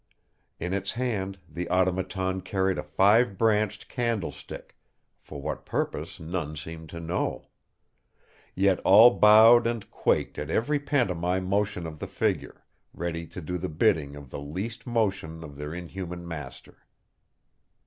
In its hand the Automaton carried a five branched candlestick, for what purpose none seemed to know. Yet all bowed and quaked at every pantomime motion of the figure, ready to do the bidding of the least motion of their inhuman master.